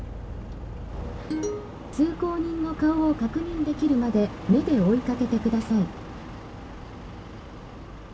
「通行人の顔を確認できるまで目で追いかけてください」。